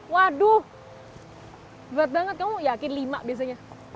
waduh berat banget kamu yakin lima biasanya